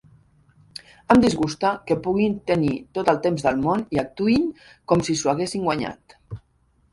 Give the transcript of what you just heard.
Em disgusta que puguin tenir tot el temps del món i actuïn com si s'ho haguessin guanyat.